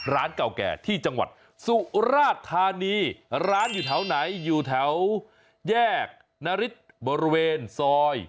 ร้านเก่าแก่ที่จังหวัดสุราธานีร้านอยู่แถวไหนอยู่แถวแยกนฤทธิ์บริเวณซอย